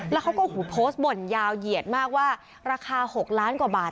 แล้วเขาก็โพสต์บ่นยาวเหยียดมากว่าราคา๖ล้านกว่าบาท